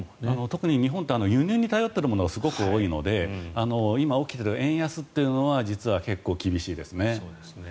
特に日本って輸入に頼っているものがすごく多いので今、起きている円安というのは実は結構厳しいですね。